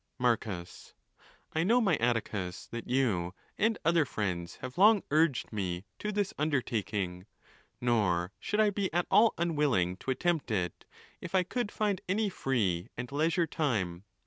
Marcus.—\1 know, my Atticus, that you and other friends have long urged me to this undertaking, nor should I be at all unwilling to attempt it, if I could find any free and leisure time.